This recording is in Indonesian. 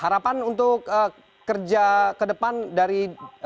harapan untuk kerja kedepan dari